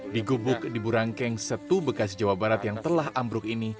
digubuk di burangkeng setu bekas jawa barat yang telah ambruk ini